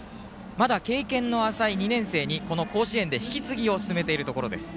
まだ経験の浅い２年生にこの甲子園で引き継ぎを進めているところです。